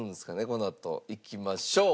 このあと。いきましょう。